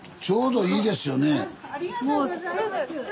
ありがとうございます。